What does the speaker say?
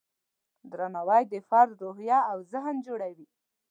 درناوی د فرد روحیه او ذهن جوړوي.